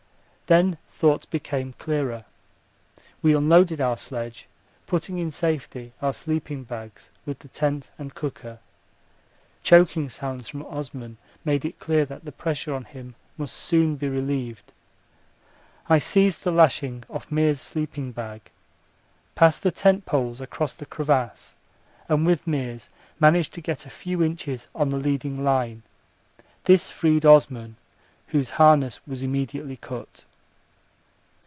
Then thought became clearer. We unloaded our sledge, putting in safety our sleeping bags with the tent and cooker. Choking sounds from Osman made it clear that the pressure on him must soon be relieved. I seized the lashing off Meares' sleeping bag, passed the tent poles across the crevasse, and with Meares managed to get a few inches on the leading line; this freed Osman, whose harness was immediately cut.